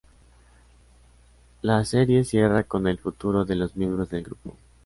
La serie cierra con el futuro de los miembros del grupo.